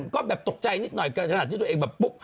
ก็แบบตกใจนิดหน่อยกันขนาดที่ตัวเองแบบปุ๊บ